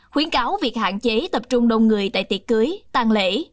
khuyến cáo việc hạn chế tập trung đông người tại tiệc cưới tàn lễ